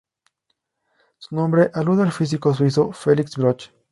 Su nombre alude al físico suizo Felix Bloch.